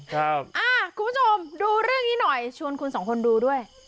คุณผู้ชมดูเรื่องนี้หน่อยชวนคุณสองคนดูด้วย